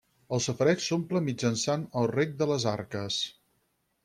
El safareig s'omple mitjançant el rec de les Arques.